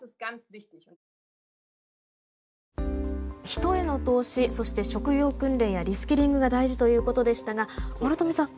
人への投資そして職業訓練やリスキリングが大事ということでしたが諸富さん